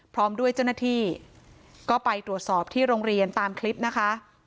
พร้อมด้วยเจ้าหน้าที่ก็ไปตรวจสอบที่โรงเรียนตามคลิปนะคะ